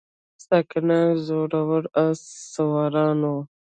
ساکان زړور آس سواران وو